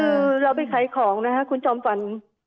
คือเราไปขายของนะครับคุณจอมฝัน